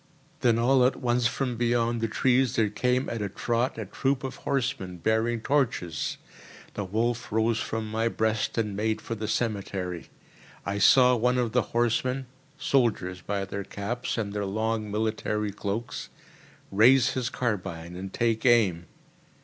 Then all at once from beyond the trees there came at a trot a troop of horsemen bearing torches. The wolf rose from my breast and made for the cemetery. I saw one of the horsemen (soldiers by their caps and their long military cloaks) raise his carbine and take aim.